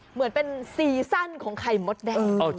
เหมือนเป็นซีซั่นของไข่มดแดง